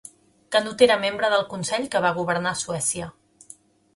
Canut era membre del consell que va governar Suècia.